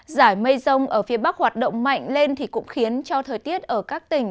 giải mây rông ở phía bắc hoạt động mạnh lên thì cũng khiến cho thời tiết ở các tỉnh